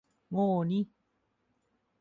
โง่นิ